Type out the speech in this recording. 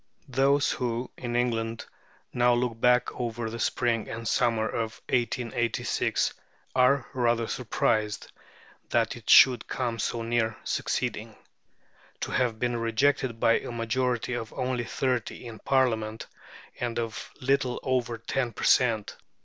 Those who, in England, now look back over the spring and summer of 1886 are rather surprised that it should come so near succeeding. To have been rejected by a majority of only thirty in Parliament, and of little over ten per cent.